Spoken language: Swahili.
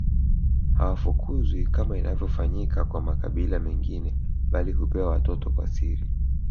Hawafukuzwi kama inavyofanyika kwa makabila mengine bali hupewa watoto kwa siri